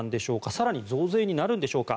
更に増税になるんでしょうか。